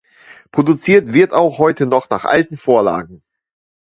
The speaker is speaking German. Produziert wird auch heute noch nach alten Vorlagen.